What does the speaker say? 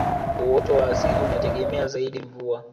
uoto wa asili unategemea zaidi mvua